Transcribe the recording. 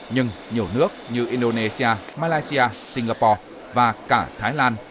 nhưng nhiều nước như indonesia malaysia singapore và cả thái lan